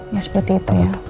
ya seperti itu ya